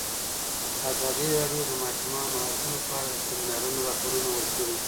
ازادي راډیو د د ماشومانو حقونه په اړه د سیمینارونو راپورونه ورکړي.